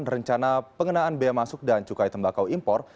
rencana pengenaan bea masuk dan cukai tembakau impor